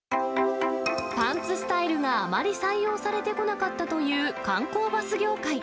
パンツスタイルがあまり採用されてこなかったという観光バス業界。